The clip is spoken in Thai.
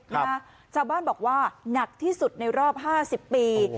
นะชาวบ้านบอกว่าหนักที่สุดในรอบห้าสิบปี